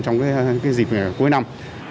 trong dịp cuối năm